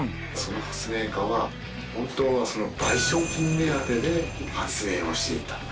その発明家は本当はその賠償金目当てで発明をしていた。